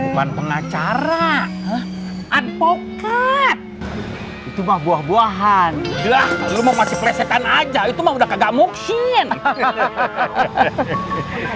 bukan pengacara adpokat itu mah buah buahan udah lu mau masih presetan aja itu mah udah kagak moksin hahaha